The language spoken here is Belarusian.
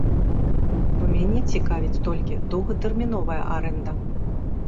Бо мяне цікавіць толькі доўгатэрміновая арэнда!